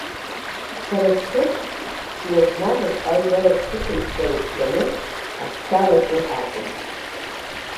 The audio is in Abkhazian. Сара сҭыԥ, ҵҩа змамыз аидарашьҭыхыҩцәа рыгәҭаны, асқьалаҿы акәын.